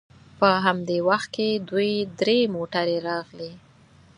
په همدې وخت کې دوې درې موټرې راغلې.